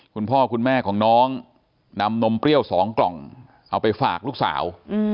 คุณพ่อคุณแม่ของน้องนำนมเปรี้ยว๒กล่องเอาไปฝากลูกสาว